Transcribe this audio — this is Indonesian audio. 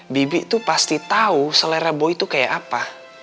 bibi tuh pasti tahu selera boy tuh kayak apa